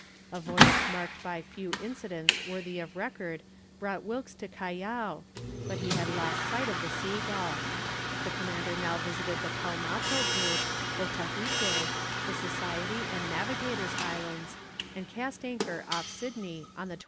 A voyage marked by few incidents worthy of record brought Wilkes to Callao, but he had lost sight of the Sea Gull. The commander now visited the Paumatou group, Otaheite, the Society and Navigator's Islands, and cast anchor off Sydney on the 28th November.